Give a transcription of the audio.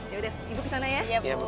yaudah ibu kesana ya